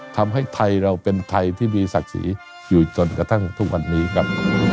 ทำให้ไทยเราเป็นไทยที่มีศักดิ์ศรีอยู่จนกระทั่งทุกวันนี้ครับ